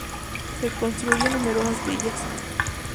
Se construyen numerosas villas.